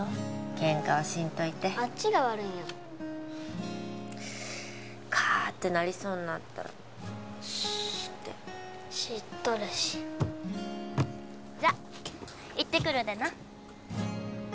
ケンカはしんといてあっちが悪いんやもんカーッてなりそうになったらスーッて知っとるしじゃ行ってくるでな